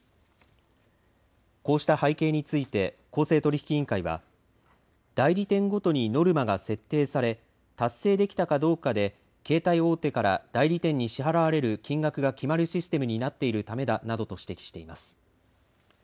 こうした背景について公正取引委員会は、代理店ごとにノルマが設定され、達成できたかどうかで、携帯大手から代理店に支払われる金額が決まるシステムになっているためだなどと指摘しています。